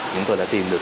chúng tôi đã tìm được